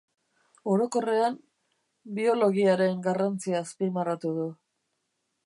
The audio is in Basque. Orokorrean, biologiaren garrantzia azpimarratu du.